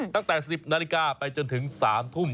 ตั้งแต่๑๐นาฬิกาไปจนถึง๓ทุ่ม